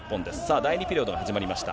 第２ピリオドが始まりました。